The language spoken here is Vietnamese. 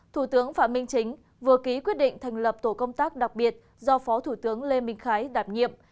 thủ tướng phạm minh chính vừa ký quyết định thành lập tổ công tác đặc biệt do phó thủ tướng lê minh khái đảm nhiệm